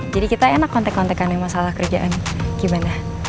jadi kita enak kontek kontekan masalah kerjaan gimana